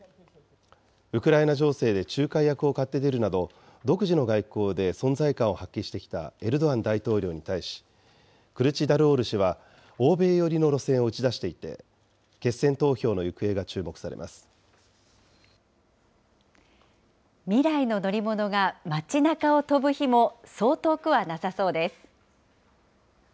ウクライナ情勢で仲介役を買って出るなど、独自の外交で存在感を発揮してきたエルドアン大統領に対し、クルチダルオール氏は欧米寄りの路線を打ち出していて、決選投票未来の乗り物が街なかを飛ぶ日も、そう遠くはなさそうです。